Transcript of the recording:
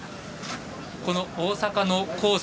この大阪のコース